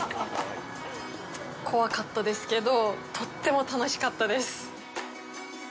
怖かったですけど、とっても楽しかったです。